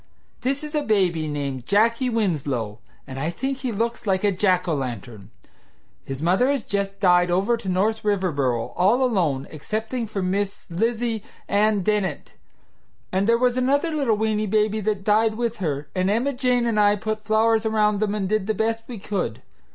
This is a baby named Jacky Winslow, and I think he looks like a Jack o' lantern. His mother has just died over to North Riverboro, all alone, excepting for Mrs. Lizy Ann Dennett, and there was another little weeny baby that died with her, and Emma Jane and I put flowers around them and did the best we could.